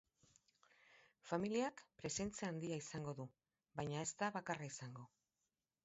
Familiak presentzia handia izango du, baina ez da bakarra izango.